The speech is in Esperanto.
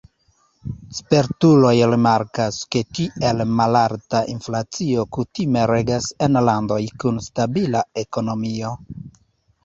Spertuloj rimarkas, ke tiel malalta inflacio kutime regas en landoj kun stabila ekonomio.